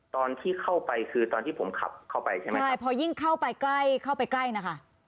ตอนที่เข้าไปคือตอนที่ผมขับเข้าไปใช่ไหมใช่พอยิ่งเข้าไปใกล้เข้าไปใกล้นะคะ